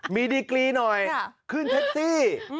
มีดีกรีหน่อยขึ้นแท็กซี่